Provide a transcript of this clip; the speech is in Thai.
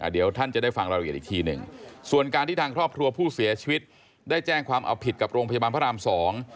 เดี๋ยวท่านจะได้ฟังรายละเอียดอีกทีหนึ่งส่วนการที่ทางครอบครัวผู้เสียชีวิตได้แจ้งความเอาผิดกับโรงพยาบาลพระรามสอง